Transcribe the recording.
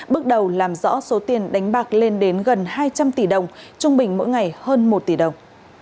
bước đầu làm rõ số tiền đánh bạc lên đến gần hai trăm linh tỷ đồng trung bình mỗi ngày hơn một tỷ đồng